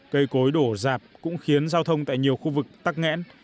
cây cối đổ dạp cũng khiến giao thông tại nhiều khu vực tắc nghẽn